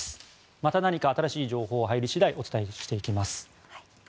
また何か新しい情報が入り次第お伝えしていきます。